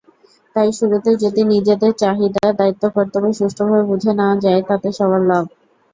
তাই শুরুতেই যদি নিজেদের চাহিদা, দায়িত্ব-কর্তব্য সুষ্ঠুভাবে বুঝে নেওয়া যায় তাতে সবার লাভ।